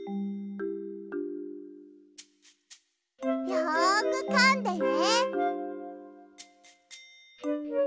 よくかんでね。